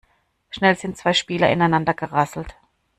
Schnell sind zwei Spieler ineinander gerasselt.